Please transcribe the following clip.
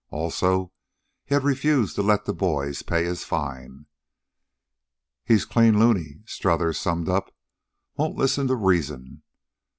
Also, he had refused to let the boys pay his fine. "He's clean looney," Strothers summed up. "Won't listen to reason.